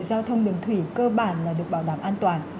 giao thông đường thủy cơ bản là được bảo đảm an toàn